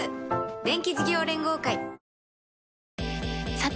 さて！